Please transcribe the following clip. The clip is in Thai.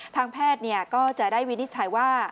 ทางแพทย์ก็จะได้วินิจฉัยว่า